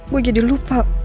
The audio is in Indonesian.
gue jadi lupa